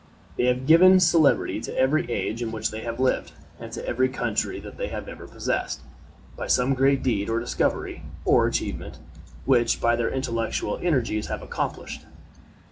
They have given celebrity to every age in which they have lived, and to every country that they have ever possessed, by some great deed, or discovery, or achievement, which their intellectual energies have accomplished.